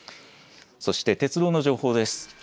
そして鉄道の情報です。